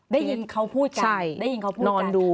ได้ยินเขาพูดกันได้ยินเขานอนดู